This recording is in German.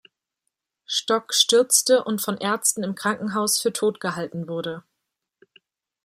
Stock stürzte und von Ärzten im Krankenhaus für tot gehalten wurde.